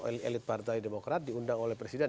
elit elit partai demokrat diundang oleh presiden